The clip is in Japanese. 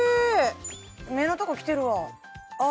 目のとこ来てるわあ